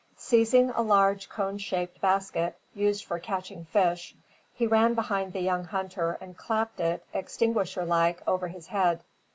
Seizing a large cone shaped basket, used for catching fish, he ran behind the young hunter and clapped it, extinguisher like, over his head.